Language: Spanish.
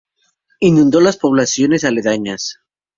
Inundó las poblaciones aledañas.